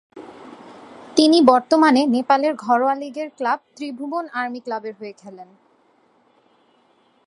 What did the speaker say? তিনি বর্তমানে নেপালের ঘরোয়া লীগের ক্লাব ত্রিভুবন আর্মি ক্লাব এর হয়ে খেলেন।